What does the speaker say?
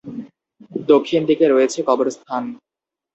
দক্ষিণ দিকে রয়েছে কবরস্থান।